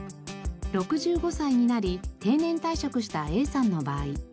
６５歳になり定年退職したＡさんの場合。